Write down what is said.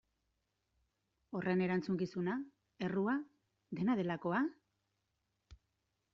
Horren erantzukizuna, errua, dena delakoa?